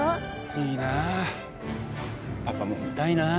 いいなあパパも見たいな。